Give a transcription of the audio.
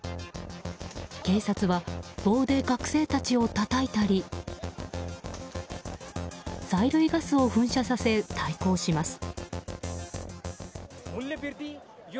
警察は棒で学生たちをたたいたり催涙ガスを噴射させ対抗します。